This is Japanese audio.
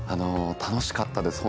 楽しかったです